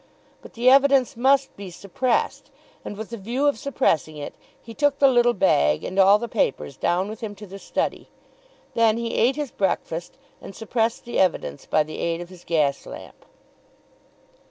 But the evidence must be suppressed, and with the view of suppressing it he took the little bag and all the papers down with him to the study. Then he ate his breakfast, and suppressed the evidence by the aid of his gas lamp.